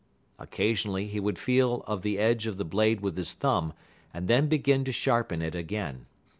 Occasionally he would feel of the edge of the blade with his thumb, and then begin to sharpen it again.